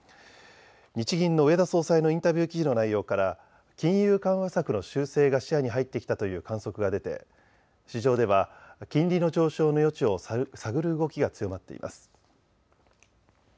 日銀の植田総裁のインタビュー記事の内容から金融緩和策の修正が視野に入ってきたという観測が出て市場では金利の上昇の余地を探る動きが強まっています。